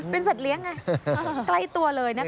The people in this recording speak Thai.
เป็นสัตว์เลี้ยงไงใกล้ตัวเลยนะคะ